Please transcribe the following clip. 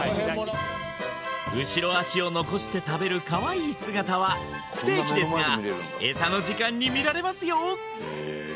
後ろ足を残して食べるかわいい姿は不定期ですがエサの時間に見られますよ